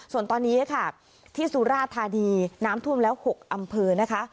ส่วนตอนนี้ค่ะที่สุราธานีน้ำท่วมแล้ว๖อำเภอนะคะ